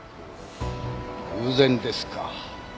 偶然ですか。